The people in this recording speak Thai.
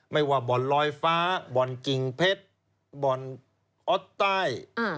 ว่าบ่อนลอยฟ้าบ่อนกิ่งเพชรบ่อนออสใต้